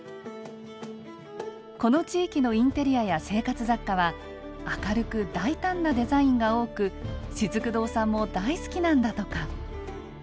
この地域のインテリアや生活雑貨は明るく大胆なデザインが多くしずく堂さんも大好きなんだとか。